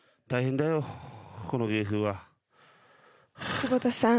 久保田さん。